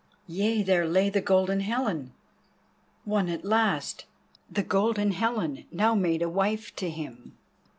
Yea, there lay the Golden Helen, won at last—the Golden Helen now made a wife to him.